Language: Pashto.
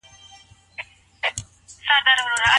که د روغي طريقو نتيجه ورنکړه څه پيښيږي؟